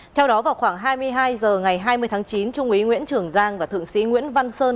theo đó vào khoảng hai mươi hai h ngày hai mươi tháng chín trung úy nguyễn trường giang và thượng sĩ nguyễn văn sơn